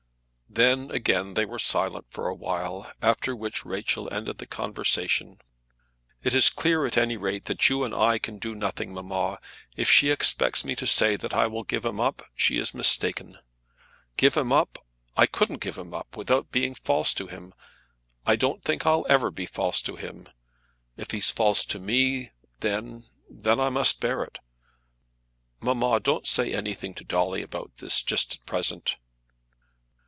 Then again they were silent for a while, after which Rachel ended the conversation. "It is clear, at any rate, that you and I can do nothing, mamma. If she expects me to say that I will give him up, she is mistaken. Give him up! I couldn't give him up, without being false to him. I don't think I'll ever be false to him. If he's false to me, then, then, I must bear it. Mamma, don't say anything to Dolly about this just at present."